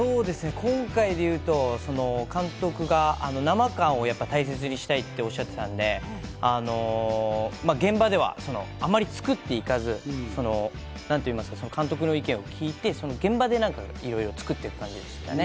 今回で言うと、監督が生感を大切にしたいっておっしゃってたので、現場ではあまり作って行かず、監督に意見を聞いて、現場でいろいろ作っていく、でしたね。